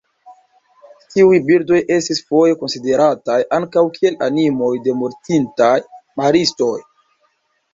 Tiuj birdoj estis foje konsiderataj ankaŭ kiel animoj de mortintaj maristoj.